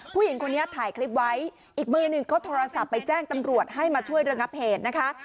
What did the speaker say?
ผู้หญิงคนนี้ถ่ายคลิปไว้อีกมือหนึ่งเขาโทรศัพท์ไปแจ้งตำรวจให้มาช่วยระงับเหตุนะคะ